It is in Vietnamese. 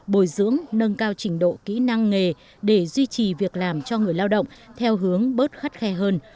bồi dưỡng nâng cao trình độ kỹ năng nghề để duy trì việc làm cho người lao động theo hướng bớt khắt khe hơn